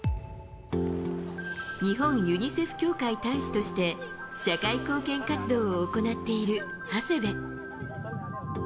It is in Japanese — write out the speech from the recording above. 日本ユニセフ協会大使として社会貢献活動を行っている長谷部。